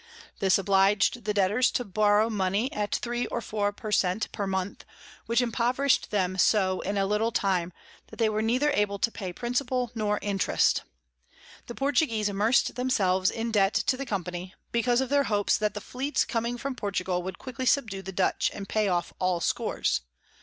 This oblig'd the Debtors to borrow Mony at 3 or 4 per Cnt. per Month, which impoverished them so in a little time, that they were neither able to pay Principal nor Interest. The Portuguese immers'd themselves in Debt to the Company, because of their hopes that the Fleets coming from Portugal would quickly subdue the Dutch, and pay off all scores.